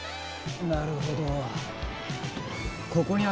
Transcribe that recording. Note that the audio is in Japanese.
なるほど。